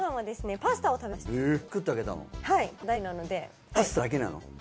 パスタだけなの？